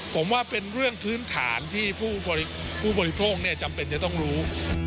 ผมว่าเป็นเรื่องพื้นฐานที่ผู้บริโภคจำเป็นจะต้องรู้